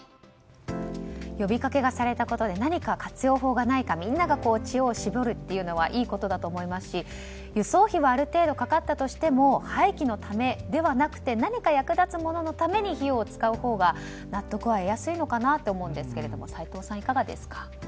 呼びかけされたことで何か活用法がないかみんなが知恵を絞るというのはいいことだと思いますし輸送費はある程度かかったとしても廃棄のためではなく何か役立つもののために費用を使うほうが納得は得やすいのかなと思うんですけど齋藤さん、いかがですか？